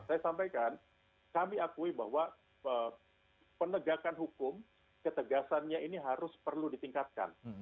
saya sampaikan kami akui bahwa penegakan hukum ketegasannya ini harus perlu ditingkatkan